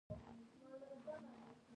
زما په برخه به نن ولي دا ژړاوای